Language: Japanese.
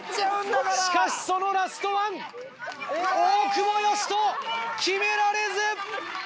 しかしそのラストワン大久保嘉人決められず！